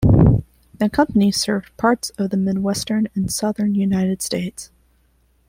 The company served parts of the Midwestern and Southern United States.